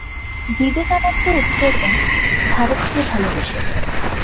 বিবেকানন্দ উত্তর দেন, "ভারতকে ভালবেসে"।